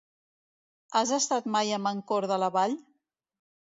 Has estat mai a Mancor de la Vall?